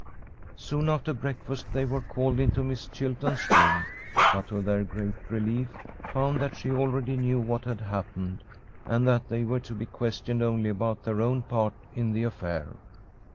Soon after breakfast they were called into Miss Chilton's room, but to their great relief found that she already knew what had happened, and that they were to be questioned only about their own part in the affair.